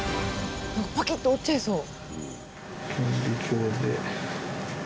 パキッと折っちゃいそう。